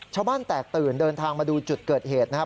ชาวบ้านแตกตื่นเดินทางมาดูจุดเกิดเหตุนะครับ